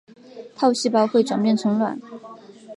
套细胞会转变成卵。